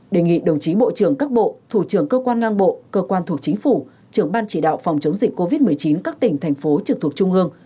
đề nghị đồng chí bộ trưởng các bộ thủ trưởng cơ quan ngang bộ cơ quan thuộc chính phủ trưởng ban chỉ đạo phòng chống dịch covid một mươi chín các tỉnh thành phố trực thuộc trung ương